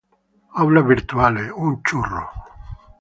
Aulas virtuales.